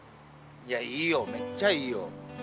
いや、いいよ、めっちゃいいよ。